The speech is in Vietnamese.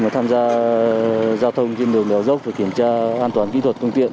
tham gia giao thông trên đường đèo rốc và kiểm tra an toàn kỹ thuật phương tiện